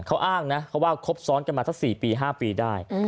เขาอ้างนะเขาว่าครบซ้อนกันมาสัก๔ปี๕ปีได้